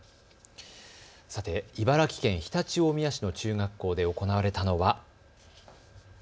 茨城県常陸大宮市の中学校で行われたのは。